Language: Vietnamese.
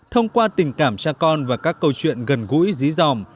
thông qua tình cảm cha con và các câu chuyện gần gũi dí dòm